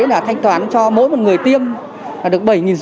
là thanh toán cho mỗi một người tiêm được bảy năm trăm linh